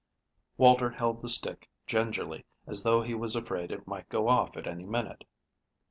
Walter held the stick gingerly, as though he was afraid it might go off at any minute.